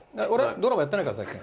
ドラマやってないから最近。